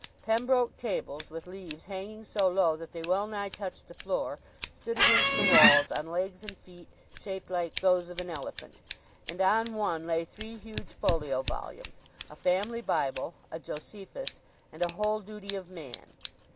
Pembroke tables, with leaves hanging so low that they well nigh touched the floor, stood against the walls on legs and feet shaped like those of an elephant, and on one lay three huge folio volumes—a Family Bible, a "Josephus," and a "Whole Duty of Man."